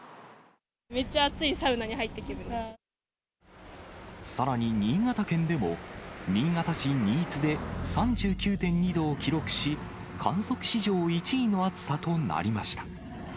めっちゃ熱いサウナに入ったさらに新潟県でも、新潟市新津で３９．２度を記録し、観測史上１位の暑さとなりました。